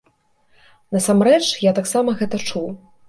Насамрэч я таксама гэта чуў.